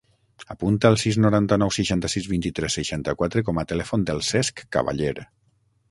Apunta el sis, noranta-nou, seixanta-sis, vint-i-tres, seixanta-quatre com a telèfon del Cesc Caballer.